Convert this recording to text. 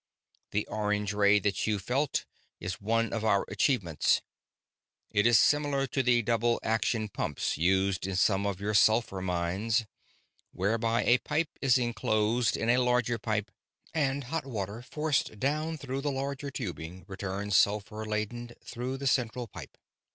"The orange ray that you felt is one of our achievements. It is similar to the double action pumps used in some of your sulphur mines, whereby a pipe is inclosed in a larger pipe, and hot water forced down through the larger tubing returns sulphur laden through the central pipe.